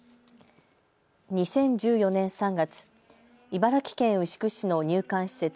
２０１４年３月、茨城県牛久市の入管施設